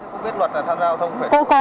cô biết luật là tham gia giao thông phải không